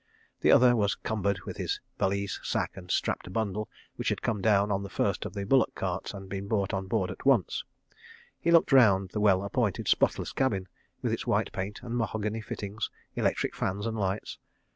The other was cumbered with his valise, sack, and strapped bundle, which had come down on the first of the bullock carts and been brought on board at once. He looked round the well appointed, spotless cabin, with its white paint and mahogany fittings, electric fans and lights.